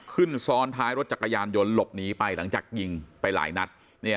ขึ้นซ้อนท้ายรถจักรยานยนต์หลบหนีไปหลังจากยิงไปหลายนัด